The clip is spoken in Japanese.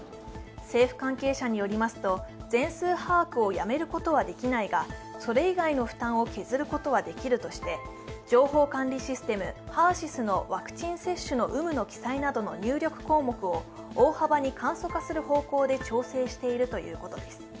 政府関係者によりますと、全数把握をやめることはできないがそれ以外の負担を削ることはできるとして、情報管理システム、ＨＥＲ−ＳＹＳのワクチン接種の有無の記載などの入力項目を大幅に簡素化する方向で調整しているということです。